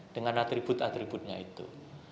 dengan atribut atributnya itu